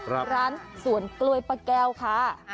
ร้านสวนกล้วยป้าแก้วค่ะ